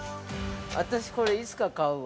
◆私、これ、いつか買うわ。